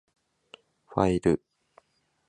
ファイル